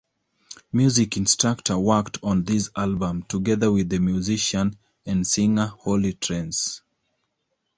Music Instructor worked on this album together with the musician and singer Holly Trance.